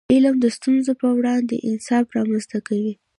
علم د ستونزو په وړاندې انعطاف رامنځته کوي.